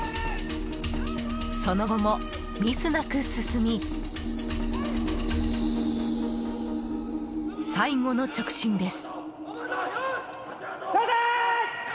その後も、ミスなく進み最後の直進です。